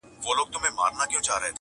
o ږيره زما، اختيار ئې د قاضي غلام!